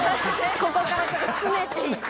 ここからちょっと詰めていって。